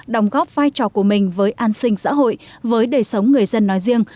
đồng góp vai trò của mình với an sinh xã hội với đời sống người dân nói riêng